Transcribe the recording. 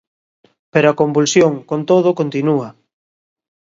Pero a convulsión, con todo, continúa.